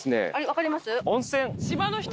分かります？